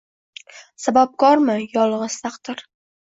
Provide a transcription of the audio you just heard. Sababkormi yolriz taqdir